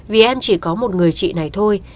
vì em chỉ có một người chị này thôi